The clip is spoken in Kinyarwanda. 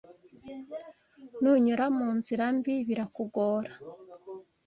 nunyura mu nzira mbi birakugora